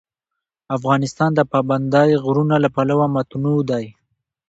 افغانستان د پابندی غرونه له پلوه متنوع دی.